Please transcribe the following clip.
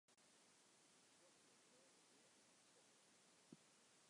Ik sjoch him leaver gean as kommen.